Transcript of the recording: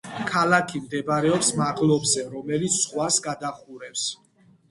ქალაქი მდებარეობს მაღლობზე, რომელიც ზღვას გადაჰყურებს.